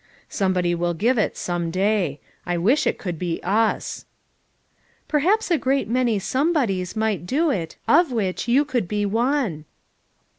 Somebody will give it some day; I wish it could be us." " Perhaps a great many ' somebodies' might do it, of which you could be one."